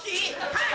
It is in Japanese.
はい！